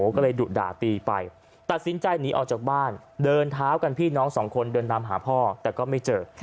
ก็เลยดุด่าตีไปตัดสินใจหนีออกจากบ้านเดินเท้ากันพี่น้องสองคนเดินตามหาพ่อแต่ก็ไม่เจอ